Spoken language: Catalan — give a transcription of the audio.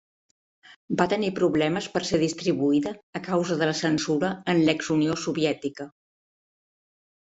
Va tenir problemes per ser distribuïda a causa de la censura en l'ex-Unió Soviètica.